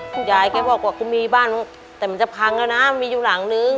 คุณยายแกบอกว่ากูมีบ้านแต่มันจะพังแล้วนะมีอยู่หลังนึง